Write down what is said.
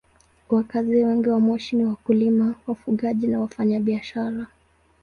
Wakazi wengi wa Moshi ni wakulima, wafugaji na wafanyabiashara.